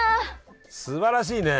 すばらしいね。